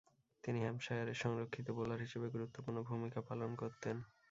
তিনি হ্যাম্পশায়ারের সংরক্ষিত বোলার হিসেবে গুরুত্বপূর্ণ ভূমিকা পালন করতেন।